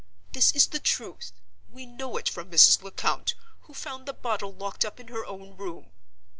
This is the truth; we know it from Mrs. Lecount, who found the bottle locked up in her own room.